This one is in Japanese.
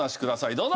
どうぞ。